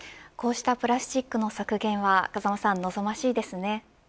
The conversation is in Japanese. こうしたプラスチックの削減は風間さん望ましいですね。